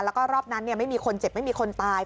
แล้วก็รอบนั้นไม่มีคนเจ็บไม่มีคนตาย